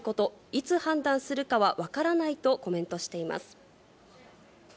いつ判断するかは分からないとコメントしています。